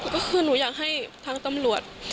ก็คือหนูอยากให้ทางตำรวจ